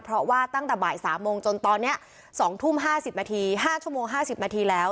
เพราะว่าตั้งแต่บ่าย๓โมงจนตอนนี้๒ทุ่ม๕๐นาที๕ชั่วโมง๕๐นาทีแล้ว